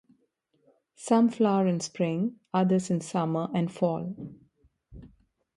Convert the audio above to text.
Some flower in spring, others in summer and fall.